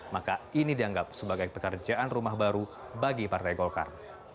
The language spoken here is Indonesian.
maka ini dianggap sebagai pekerjaan rumah baru bagi partai golkar